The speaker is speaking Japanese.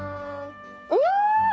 うわ！